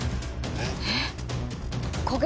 えっ。